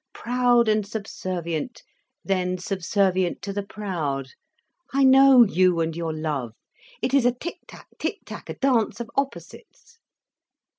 "Proud and subservient, then subservient to the proud—I know you and your love. It is a tick tack, tick tack, a dance of opposites."